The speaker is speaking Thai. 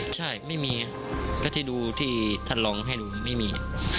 ใช่ไม่มีก็ที่ดูที่ท่านลองให้ดูไม่มี